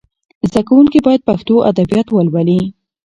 زده کونکي باید پښتو ادبیات ولولي.